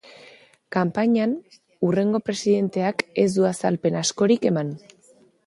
Kanpainan, hurrengo presidenteak ez du azalpen askorik eman.